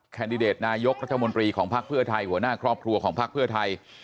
แดดิเดตนายกรัฐมนตรีของภักดิ์เพื่อไทยหัวหน้าครอบครัวของพักเพื่อไทย